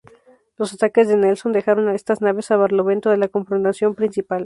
Los ataques de Nelson dejaron a estas naves a barlovento de la confrontación principal.